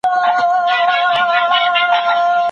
ډیري لاري یې پر سپي وې آزمېیلي